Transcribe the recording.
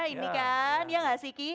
ini kan ya enggak sih ki